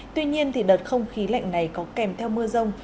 tuy nhiên đợt không khí lạnh này có kèm theo mưa rông